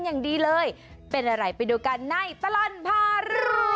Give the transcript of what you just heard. แต่อะไรไปดูกันในตลันพารวรรรรรลวย